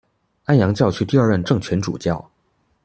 安阳教区第二任正权主教。